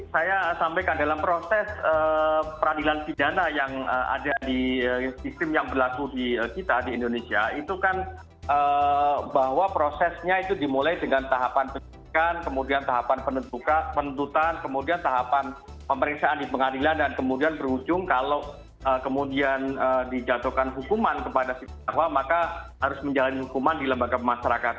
saya sampaikan dalam proses peradilan pidana yang ada di sistem yang berlaku di kita di indonesia itu kan bahwa prosesnya itu dimulai dengan tahapan penyelidikan kemudian tahapan penentukan kemudian tahapan pemeriksaan di pengadilan dan kemudian berhujung kalau kemudian dijatuhkan hukuman kepada si terdakwa maka harus menjalani hukuman di lembaga masyarakat